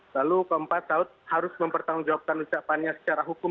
lalu keempat saud harus mempertanggungjawabkan ucapannya secara hukum